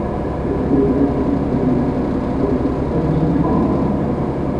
پێشتر ئەو دەنگەم بیستووە.